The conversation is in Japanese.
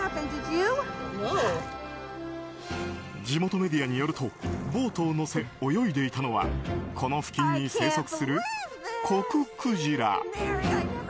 地元メディアによるとボートを乗せ泳いでいたのはこの付近に生息するコククジラ。